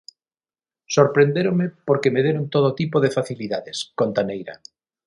"Sorprendéronme porque me deron todo tipo de facilidades", conta Neira.